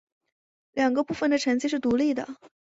两个部分的成绩是独立的。